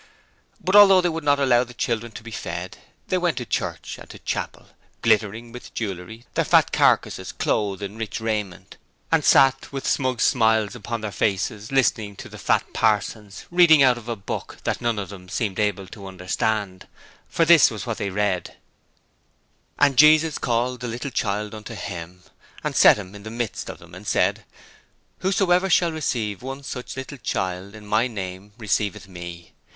But although they would not allow the children to be fed, they went to church and to chapel, glittering with jewellery, their fat carcases clothed in rich raiment, and sat with smug smiles upon their faces listening to the fat parsons reading out of a Book that none of them seemed able to understand, for this was what they read: 'And Jesus called a little child unto Him, and set him in the midst of them, and said: Whosoever shall receive one such little child in My name, receiveth Me.